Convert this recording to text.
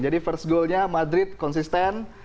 jadi first goal nya madrid konsisten